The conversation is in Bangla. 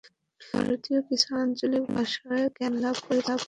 তিনি ভারতীয় কিছু আঞ্চলিক ভাষায়ও জ্ঞান লাভ করেছিলেন।